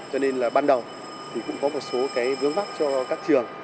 cho nên là ban đầu thì cũng có một số cái vướng vắc cho các trường